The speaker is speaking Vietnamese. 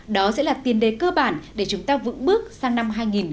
đó sẽ là tiền đề cơ bản để chúng ta vững bước sang năm hai nghìn một mươi chín